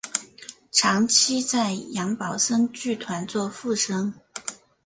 长期在杨宝森剧团做副生。